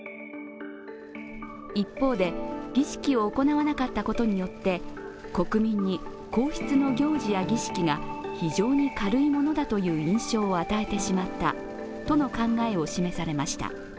一方で、儀式を行わなかったことによって国民に皇室の行事や儀式が非常に軽いものだという印象を与えてしまったとの考えを示されました。